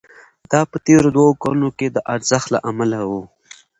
دا په تېرو دوو کلونو کې د ارزښت له امله وو